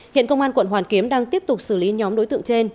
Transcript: hiện công an quận hoàn kiếm đang tiếp tục xử lý nhóm đối tượng trên